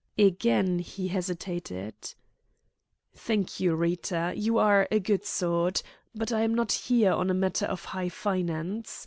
Again he hesitated. "Thank you, Rita. You are a good sort. But I am not here on a matter of high finance.